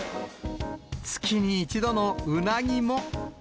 月に一度のうなぎも。